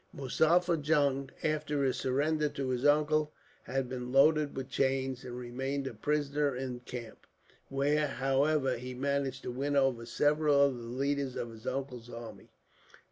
"Muzaffar Jung, after his surrender to his uncle, had been loaded with chains, and remained a prisoner in the camp; where, however, he managed to win over several of the leaders of his uncle's army.